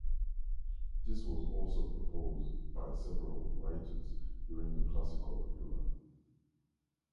This was also proposed by several writers during the Classical era.